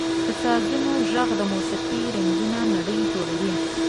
• د سازونو ږغ د موسیقۍ رنګینه نړۍ جوړوي.